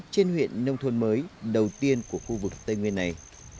trên huyện nông thôn mới đầu tiên của khu vực tây nguyên này